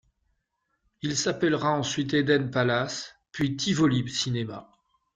Il s'appellera ensuite Eden Palace, puis Tivoli Cinéma.